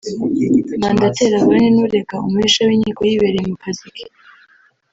mandateur aburane n’urega umuhesha w’inkiko yibereye mu kazi ke”